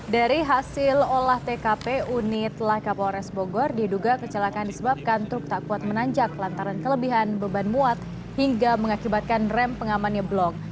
dari hasil olah tkp unit laka polres bogor diduga kecelakaan disebabkan truk tak kuat menanjak lantaran kelebihan beban muat hingga mengakibatkan rem pengamannya blong